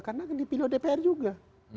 karena akan dipilih oleh dpr juga